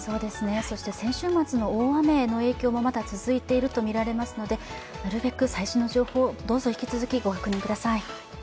そして先週末の大雨の影響もまだ続いているとみられますのでなるべく最新の情報をどうぞ引き続き、お含みください。